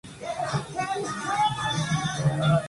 Tenía siete hijos, tres varones y cuatro mujeres.